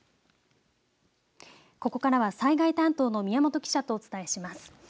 ここからは災害担当の宮本記者とお伝えします。